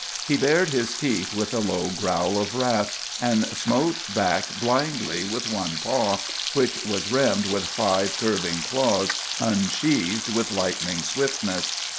He bared his teeth with a low growl of wrath, and smote back blindly with one paw, which was rimmed with five curving claws unsheathed with lightning swiftness.